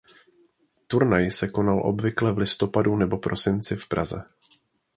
Turnaj se konal obvykle v listopadu nebo prosinci v Praze.